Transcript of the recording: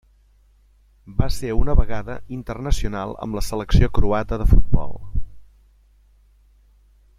Va ser una vegada internacional amb la selecció croata de futbol.